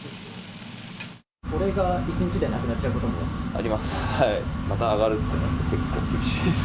これが１日でなくなっちゃうことも？あります。